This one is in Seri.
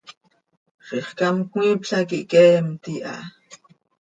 Zixcám cmiipla quih cheemt iha.